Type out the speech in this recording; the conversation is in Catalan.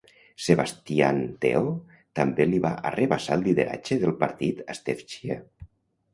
Sebastian Teo també li va arrabassar el lideratge del partit a Steve Chia.